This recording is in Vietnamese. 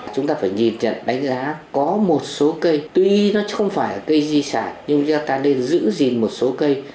chúng ta phải nhìn nhận đánh giá có một số cây tuy nó không phải là cây di sản nhưng ta nên giữ gìn một số cây